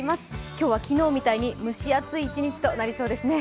今日は昨日みたいに蒸し暑い一日となりそうですね。